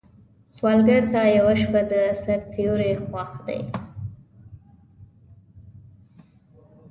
سوالګر ته یوه شپه د سر سیوری خوښ دی